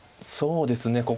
そうですね。